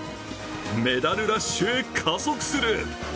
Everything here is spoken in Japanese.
メダルラッシュへ加速する。